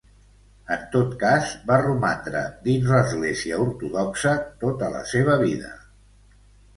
En tot cas va romandre dins l'església ortodoxa tota la seva vida.